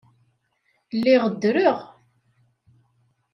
Lliɣ ddreɣ.